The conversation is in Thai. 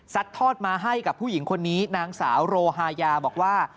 ทอดมาให้กับผู้หญิงคนนี้นางสาวโรฮายาบอกว่า